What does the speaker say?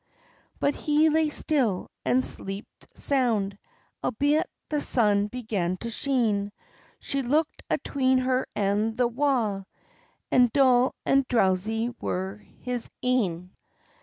But he lay still, and sleeped sound, Albeit the sun began to sheen; She looked atween her and the wa', And dull and drowsie were his e'en.